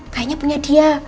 kayaknya punya dia